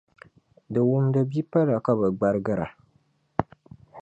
di wumdi bipala ka bɛ gbarigira.